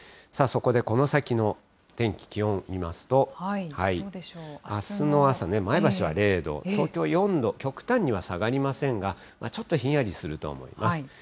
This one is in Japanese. そこでこの先の天気、気温見ますと、あすの朝、前橋は０度、東京４度、極端には下がりませんが、ちょっとひんやりすると思います。